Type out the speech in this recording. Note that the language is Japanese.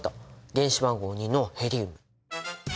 原子番号２のヘリウム。